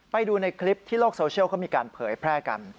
ไปดูในคลิปที่โลกโซเชียลเขามีการเผยแพร่กัน